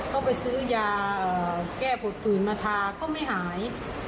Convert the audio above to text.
ก็ไปซื้อยาแก้ปวดฝืนมาทาก็ไม่หาย